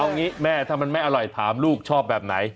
เอางี้แม่ถ้ามันไม่อร่อยถามลูกชอบแบบไหน